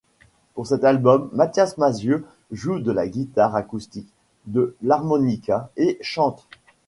Pour cet album, Mathias Malzieu joue de la guitare acoustique, de l'harmonica et chante.